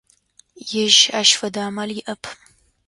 Ежь ащ фэдэ амал иӏэп.